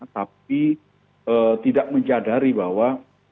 tapi tidak menjadari bahwa